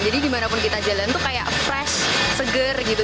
jadi dimanapun kita jalan tuh kayak fresh seger gitu